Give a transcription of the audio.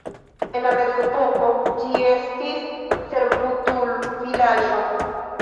En la mezepoko ĝi estis servutulvilaĝo.